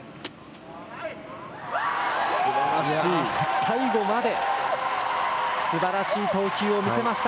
最後まですばらしい投球を見せました。